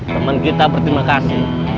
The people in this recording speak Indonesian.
teman kita berterima kasih